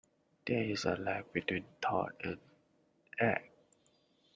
There is a lag between thought and act.